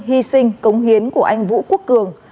hy sinh công hiến của anh vũ quốc cường